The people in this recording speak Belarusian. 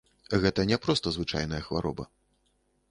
Гэта не проста звычайная хвароба.